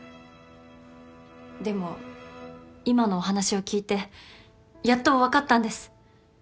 でも今のお話を聞いてやっと分かったんです。